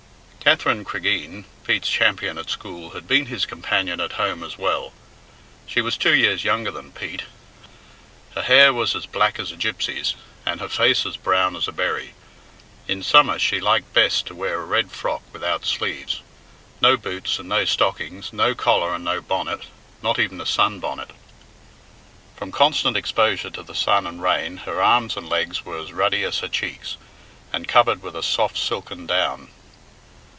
V. Katherine Cregeen, Pete's champion at school, had been his companion at home as well. She was two years younger than Pete. Her hair was a black as a gipsy's, and her face as brown as a berry. In summer she liked best to wear a red frock without sleeves, no boots and no stockings, no collar and no bonnet, not even a sun bonnet. From constant exposure to the sun and rain her arms and legs were as ruddy as her cheeks, and covered with a soft silken down.